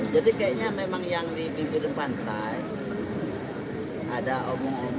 jadi kayaknya memang yang di bibiran pantai ada umum umum arti dan warga